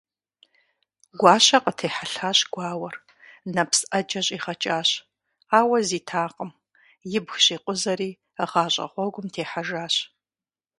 Гуащэ къытехьэлъащ гуауэр, нэпс Ӏэджэ щӀигъэкӀащ, ауэ зитакъым, – ибг щӀикъузэри гъащӀэ гъуэгум техьэжащ.